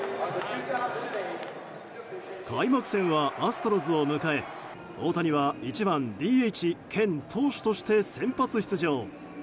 開幕戦はアストロズを迎え大谷は１番ＤＨ兼投手として先発出場。